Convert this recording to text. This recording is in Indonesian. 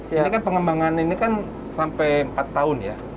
ini kan pengembangan ini kan sampai empat tahun ya